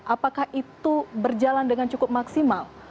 apakah itu berjalan dengan cukup maksimal